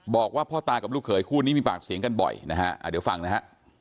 บอกว่าพ่อตากับลูกเขยคู่นี้มีปากเสียงกันบ่อยนะฮะเดี๋ยวฟังนะฮะ